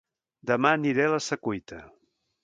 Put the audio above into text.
Dema aniré a La Secuita